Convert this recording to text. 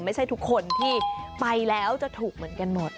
ไม่ใช่ทุกคนที่ไปแล้วจะถูกเหมือนกันหมด